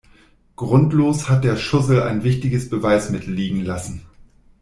Grundlos hat der Schussel ein wichtiges Beweismittel liegen lassen.